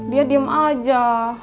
dia diem aja